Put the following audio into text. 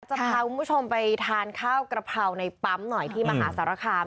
จะพาคุณผู้ชมไปทานข้าวกระเพราในปั๊มหน่อยที่มหาสารคาม